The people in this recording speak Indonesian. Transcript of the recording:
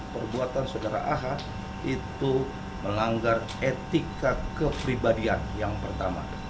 perbuatan saudara ah itu melanggar etika kepribadian yang pertama